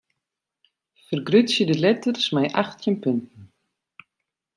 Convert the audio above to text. Fergrutsje de letters mei achttjin punten.